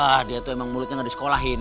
ah dia tuh emang mulutnya gak disekolahin